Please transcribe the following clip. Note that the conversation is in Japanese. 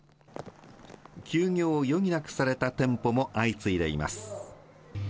休業を余儀なくされた店舗も相次いでいます。